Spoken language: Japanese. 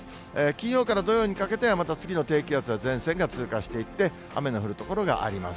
金曜から土曜にかけては、また次の低気圧や前線が通過していって、雨の降る所があります。